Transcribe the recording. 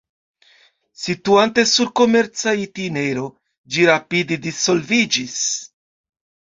Situante sur komerca itinero ĝi rapide disvolviĝis.